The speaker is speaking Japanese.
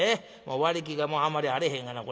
割り木がもうあんまりあれへんがな。